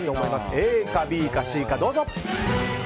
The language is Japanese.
ＡかＢかＣか、どうぞ。